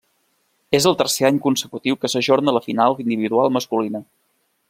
És el tercer any consecutiu que s'ajorna la final individual masculina.